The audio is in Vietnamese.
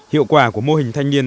hiệu quả của mô hình thanh niên